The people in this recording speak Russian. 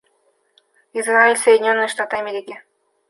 Израиль, Соединенные Штаты Америки.